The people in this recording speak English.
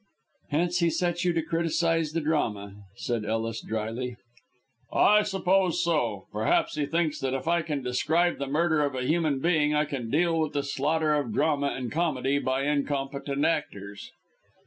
"Hence he sets you to criticise the drama," said Ellis, drily. "I suppose so. Perhaps he thinks that if I can describe the murder of a human being I can deal with the slaughter of drama and comedy by incompetent actors."